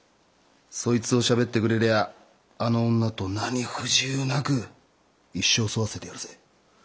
そいつをしゃべってくれりゃあの女と何不自由なく一生添わせてやるぜ。